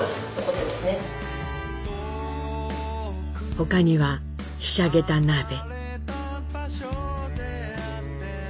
他にはひしゃげた鍋靴底。